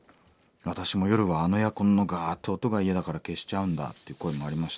私も夜はあのエアコンのガッて音が嫌だから消しちゃうんだ」っていう声もありました。